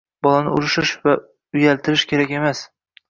bolani urishish va uyaltirish kerak emas.